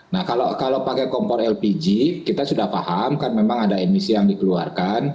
nah kalau pakai kompor lpg kita sudah paham kan memang ada emisi yang dikeluarkan